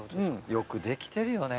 よくできてるよね。